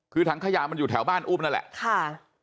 คือถังขยะมันอยู่แถวบ้านอุ้มนั่นแหละค่ะ